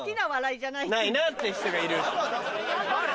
ないなって人がいる。